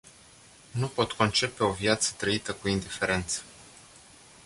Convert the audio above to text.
Nu pot concepe o viață trăită cu indiferență.